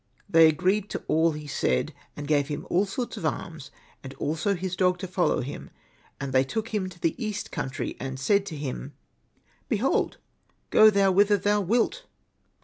They agreed to all he said, and gave him all sorts of arms, and also his dog to follow him, and they took him to the east country, and said to him, '^ Behold, go thou whither thou wilt."